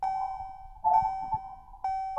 起火原因初判为香客祭拜后余火引起。